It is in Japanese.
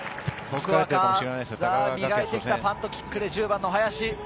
磨いてきたパントキックで１０番の林。